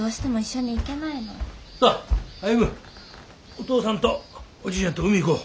お父さんとおじいちゃんと海行こう。